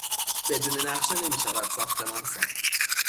بدون نقشه نمیشود ساختمان ساخت.